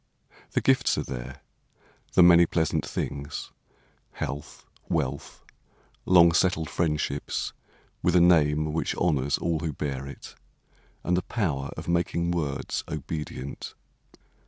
The gifts are there, the many pleasant things: Health, wealth, long settled friendships, with a name Which honors all who bear it, and the power Of making words obedient.